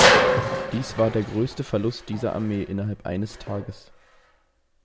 Dies war der größte Verlust dieser Armee innerhalb eines Tages.